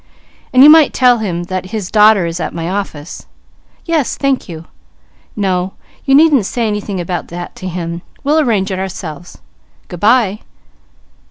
And you might tell him that his daughter is at my office. Yes, thank you. No you needn't say anything about that to him; we'll arrange it ourselves. Good bye!"